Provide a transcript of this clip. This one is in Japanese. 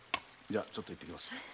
じゃあちょっと行ってきます。